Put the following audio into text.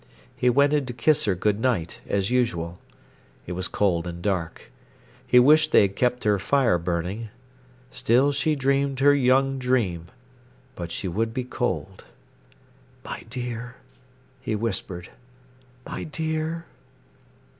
He went in to kiss her good night, as usual. It was cold and dark. He wished they had kept her fire burning. Still she dreamed her young dream. But she would be cold. "My dear!" he whispered. "My dear!"